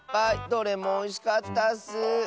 どれもおいしかったッス。